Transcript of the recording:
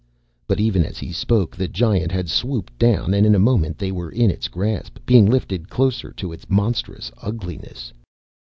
But even as he spoke, the giant had swooped down and in a moment they were in its grasp being lifted closer to its monstrous ugliness.